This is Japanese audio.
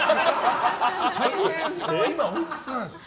たい平さんは今おいくつなんですか？